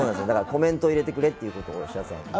だからコメント入れてくれっていうことをおっしゃってました。